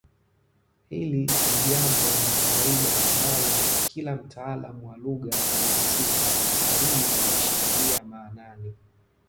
Hili ni jambo la kawaida ambalo kila mtaalamu wa lugha na isimu anastahili kulishikilia maanani